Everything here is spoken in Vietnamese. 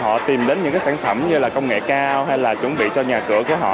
họ tìm đến những cái sản phẩm như là công nghệ cao hay là chuẩn bị cho nhà cửa của họ